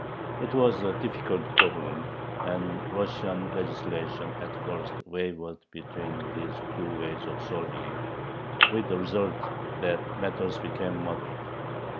It was a difficult problem, and Russian legislation at first wavered between these two ways of solving it, with the result that matters became muddled.